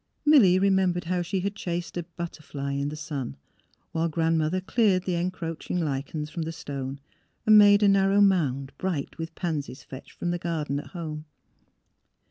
Milly remembered how she had chased a butterfly in the sun, while Grandmother cleared the encroaching lichens from the stone and made the narrow mound bright with pansies fetched from the garden at home.